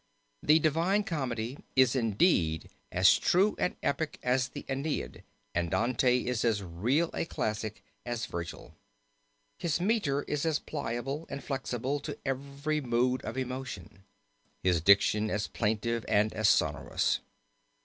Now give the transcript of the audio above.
The Divine Comedy is indeed as true an epic as the AEneid, and Dante is as real a classic as Vergil. His metre is as pliable and flexible to every mood of emotion, his diction as plaintive and as sonorous.